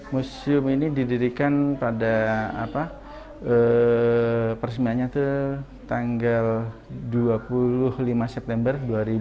museum ini didirikan pada persembiannya itu tanggal dua puluh lima september dua ribu satu